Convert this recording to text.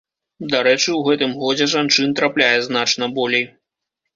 Дарэчы, у гэтым годзе жанчын трапляе значна болей.